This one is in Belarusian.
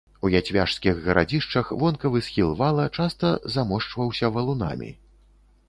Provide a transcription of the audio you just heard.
У яцвяжскіх гарадзішчах вонкавы схіл вала часта замошчваўся валунамі.